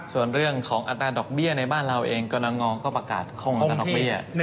ส่วนเรื่องของอัตราดอกเบี้ยในบ้านเราเองกรณงอก็ประกาศข้องอัตราดอกเบี้ย